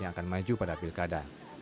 yang akan maju pada pilkada